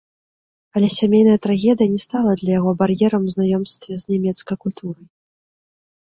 Але сямейная трагедыя не стала для яго бар'ерам у знаёмстве з нямецкай культурай.